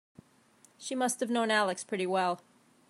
She must have known Alex pretty well.